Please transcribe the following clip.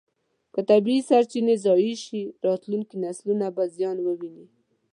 که طبیعي سرچینې ضایع شي، راتلونکي نسلونه به زیان وویني.